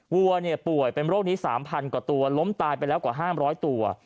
วัวป่วยเป็นโรคนี้๓๐๐กว่าตัวล้มตายไปแล้วกว่า๕๐๐ตัว